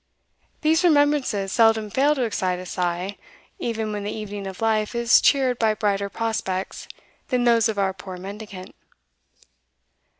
These remembrances seldom fail to excite a sigh, even when the evening of life is cheered by brighter prospects than those of our poor mendicant.